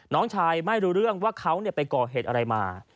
น้องชายไม่รู้เรื่องว่าเขาไปก่อเหตุอะไรมา